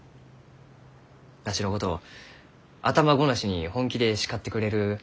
わしのことを頭ごなしに本気で叱ってくれる姉様じゃ。